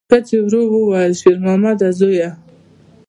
ښځې ورو وویل: شېرمامده زویه!